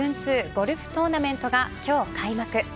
ゴルフトーナメントが今日開幕。